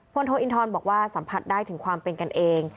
โทอินทรบอกว่าสัมผัสได้ถึงความเป็นกันเอง